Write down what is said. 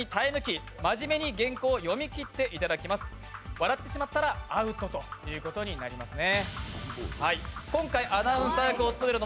笑ってしまったらアウトということになりますね。